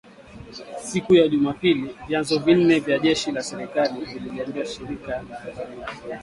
Siku ya Jumapili vyanzo vinne vya jeshi la serikali vililiambia shirika la habari la Reuters.